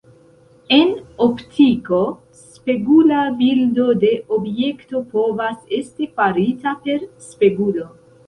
En optiko, spegula bildo de objekto povas esti farita per spegulo.